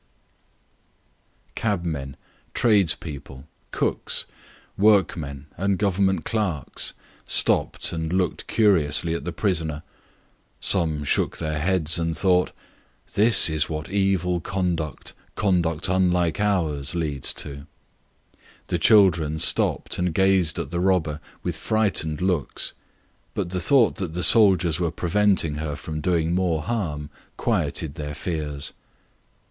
Isvostchiks [cabmen], tradespeople, cooks, workmen, and government clerks, stopped and looked curiously at the prisoner; some shook their heads and thought, "This is what evil conduct, conduct unlike ours, leads to." The children stopped and gazed at the robber with frightened looks; but the thought that the soldiers were preventing her from doing more harm quieted their fears.